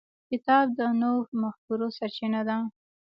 کتاب د نوو مفکورو سرچینه ده.